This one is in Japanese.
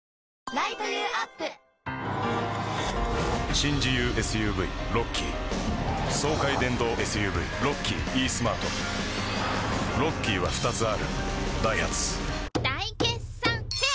新自由ＳＵＶロッキー爽快電動ＳＵＶロッキーイースマートロッキーは２つあるダイハツ大決算フェア